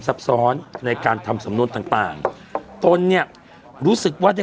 ซับซ้อนในการทำสำนวนต่างต่างตนเนี่ยรู้สึกว่าได้